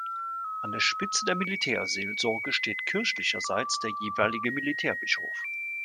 An der Spitze der Militärseelsorge steht kirchlicherseits der jeweilige Militärbischof.